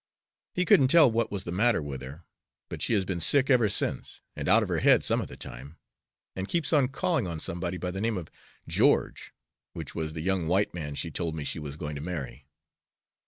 He couldn't tell what was the matter with her, but she has been sick ever since and out of her head some of the time, and keeps on calling on somebody by the name of George, which was the young white man she told me she was going to marry.